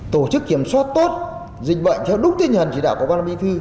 tổ chức kiểm soát tốt dịch bệnh theo đúc tiên nhận chỉ đạo của quang lâm y thư